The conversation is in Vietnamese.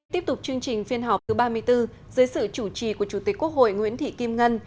tiếp tục chương trình phiên họp thứ ba mươi bốn dưới sự chủ trì của chủ tịch quốc hội nguyễn thị kim ngân